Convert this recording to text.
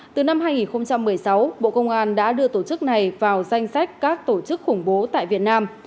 từ năm hai nghìn một mươi sáu bộ công an đã đưa tổ chức này vào danh sách các tổ chức khủng bố tại việt nam